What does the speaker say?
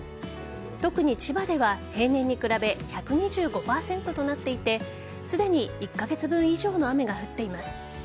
特に千葉では平年に比べ１２５％となっていてすでに１カ月分以上の雨が降っています。